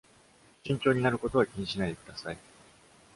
慎重になることは気にしないでください。